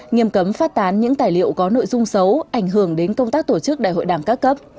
nghiêm cấm phát tán những tài liệu có nội dung xấu ảnh hưởng đến công tác tổ chức đại hội đảng các cấp